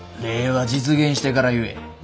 礼は実現してから言え。